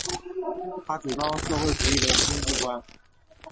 他主张社会主义的经济观。